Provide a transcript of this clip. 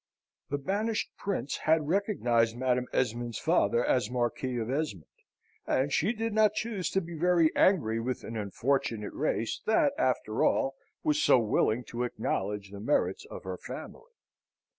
The banished prince had recognised Madam Esmond's father as Marquis of Esmond, and she did not choose to be very angry with an unfortunate race, that, after all, was so willing to acknowledge the merits of her family.